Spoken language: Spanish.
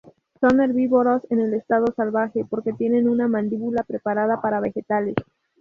Son herbívoros en estado salvaje porque tienen una mandíbula preparada para vegetales.